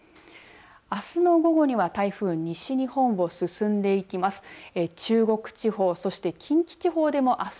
あすの午後には台風西日本を進んでいきます。